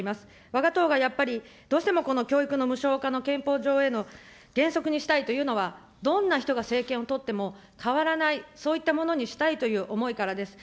わが党がやっぱりどうしてもこの教育の無償化の憲法上への原則にしたいというのは、どんな人が政権をとっても変わらない、そういったものにしたいという思いからです。